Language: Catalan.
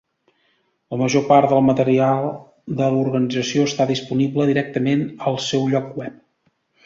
La major part del material de l'organització està disponible directament al seu lloc web.